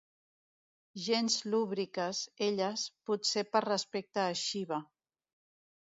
Gens lúbriques, elles, potser per respecte a Shiva.